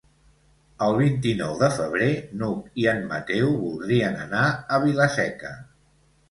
El vint-i-nou de febrer n'Hug i en Mateu voldrien anar a Vila-seca.